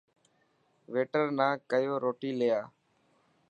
ويٽر ناڪيو روٽي لي آءِ.